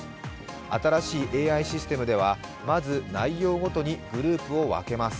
新しいＡＩシステムでは、まず内容ごとにグループを分けます。